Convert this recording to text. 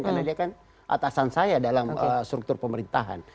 karena dia kan atasan saya dalam struktur pemerintahan